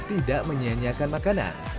tidak menyediakan makanan